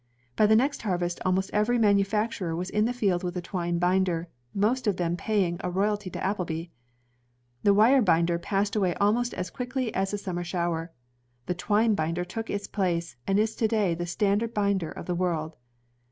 By the next harvest almost every manufacturer was in the field with a twine binder, most of them paying a roy alty to Appleby. The wire binder passed away almost as quickly as a summer shower. The twine binder took its place, and it is to day tjie standard binder of the world.